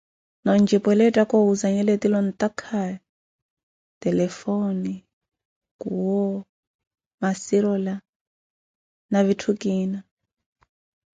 Noo ontxipwela etthaka owuzanhela ettile ontaakaye, telefone, kuwo, macirola, na vittu kiina